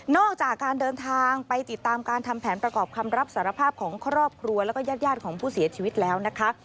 จากการเดินทางไปติดตามการทำแผนประกอบคำรับสารภาพของครอบครัวแล้วก็ญาติของผู้เสียชีวิตแล้วนะคะ